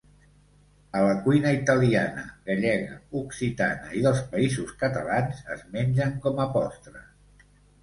A la cuina italiana, gallega, occitana i dels Països Catalans es mengen com a postres.